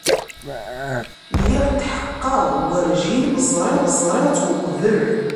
Lliɣ tḥeqqeɣ werjin ẓriɣ-tt uqbel.